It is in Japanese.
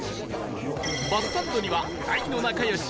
バスサンドには大の仲良し！